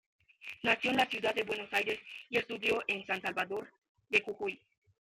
Nació en la ciudad de Buenos Aires, y estudió en San Salvador de Jujuy.